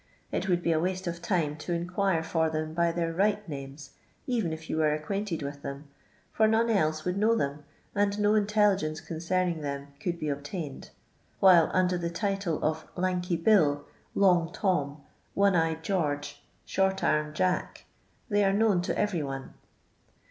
It would be a waste of time to inquire for them by their right naineS| even if you were acquainted with then, for none else would know them, and no intelligciu:c concerning them could be ob tained: while under tho title of Lanky Bill, long Tom, One eyed George, Short anned Jack, they are known to every one.